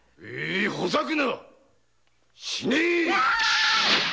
ほざくな死ね‼・